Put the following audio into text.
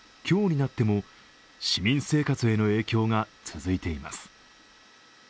今日になっても市民生活への影響が続いています。